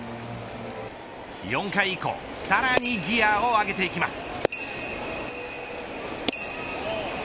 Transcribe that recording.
４回以降さらにギアを上げていきます。